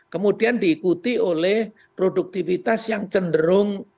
kemudian diikuti oleh produktivitas yang cenderung